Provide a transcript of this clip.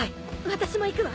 私も行くわ。